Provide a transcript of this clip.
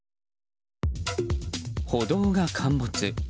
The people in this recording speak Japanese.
歩道が陥没。